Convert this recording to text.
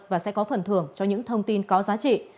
và sẽ có phần thưởng cho những thông tin có giá trị